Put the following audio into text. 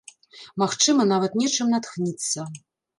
Магчыма, нават нечым натхніцца.